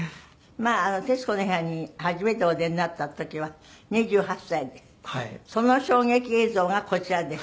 『徹子の部屋』に初めてお出になった時は２８歳でその衝撃映像がこちらです。